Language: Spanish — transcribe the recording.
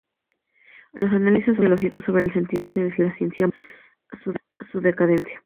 Los análisis sociológicos y sobre el sentido de la ciencia apuntan a su decadencia.